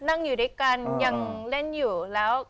นั่งอยู่ด้วยกันยังเล่นอยู่แล้ว